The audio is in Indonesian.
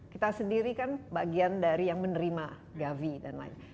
kita sendiri kan bagian dari yang menerima gavi dan lain